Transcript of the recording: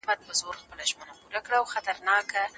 تاسو د بېوزلو خلګو سره مرسته کوئ.